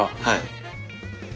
はい。